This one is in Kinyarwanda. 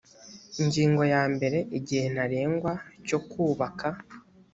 ingingo ya mbere igihe ntarengwa cyo kubaka